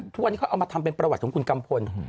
ทุกวันนี้เขาเอามาทำเป็นประวัติของคุณกัมพล